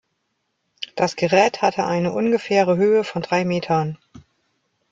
Das Gerät hatte eine ungefähre Höhe von drei Metern.